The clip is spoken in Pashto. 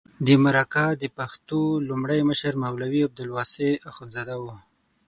د مرکه د پښتو لومړی مشر مولوي عبدالواسع اخندزاده و.